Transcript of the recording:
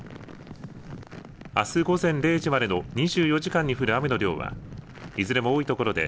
あす午前０時までの２４時間に降る雨の量は、いずれも多いところで